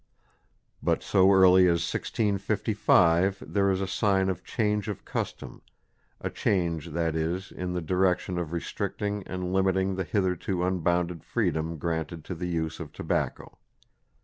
But so early as 1655 there is a sign of change of custom a change, that is, in the direction of restricting and limiting the hitherto unbounded freedom granted to the use of tobacco.